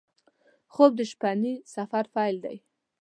خوب د شپهني سفر پیل دی